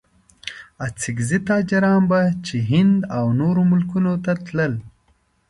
اڅګزي تاجران به چې هند او نورو ملکونو ته تلل.